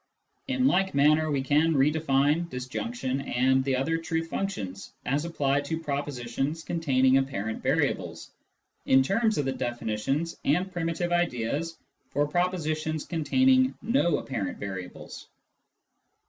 " In like manner we can re define disjunction and the other truth functions, as applied to propositions containing apparent variables, in terms of the definitions and primitive ideas for propositions containing no apparent variables.